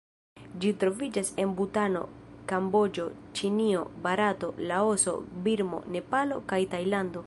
Ĝi troviĝas en Butano, Kamboĝo, Ĉinio, Barato, Laoso, Birmo, Nepalo, kaj Tajlando.